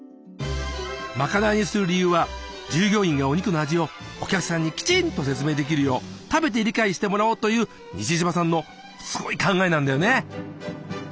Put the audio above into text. まかないにする理由は従業員がお肉の味をお客さんにきちんと説明できるよう食べて理解してもらおうという西島さんの考えなんだよね。